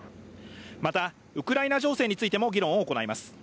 また、ウクライナ情勢についても議論を行います。